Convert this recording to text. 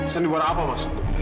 sandiwara apa maksud lu